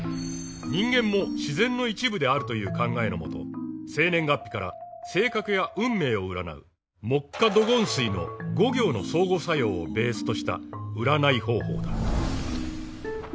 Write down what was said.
人間も自然の一部であるという考えのもと生年月日から性格や運命を占う木・火・土・金・水の五行の相互作用をベースとした占い方法だ。